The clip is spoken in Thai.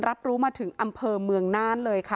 รับรู้มาถึงอำเภอเมืองน่านเลยค่ะ